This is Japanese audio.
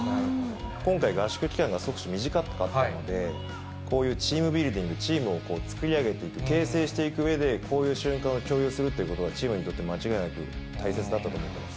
今回、合宿期間が少し短かったので、こういうチームビルディング、チームを作り上げていく、形成していくうえでこういう瞬間を共有することってことは、チームにとって間違いなく大切だったと思ってます。